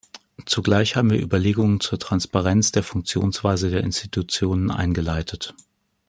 Zugleich haben wir Überlegungen zur Transparenz der Funktionsweise der Institutionen eingeleitet.